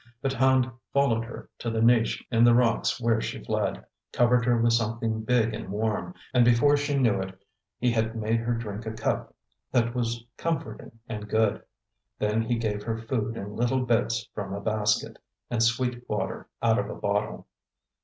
But Hand followed her to the niche in the rocks where she fled, covered her with something big and warm, and before she knew it he had made her drink a cup that was comforting and good. Then he gave her food in little bits from a basket, and sweet water out of a bottle.